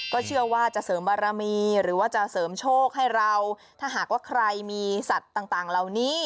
เชื่อว่าจะเสริมบารมีหรือว่าจะเสริมโชคให้เราถ้าหากว่าใครมีสัตว์ต่างเหล่านี้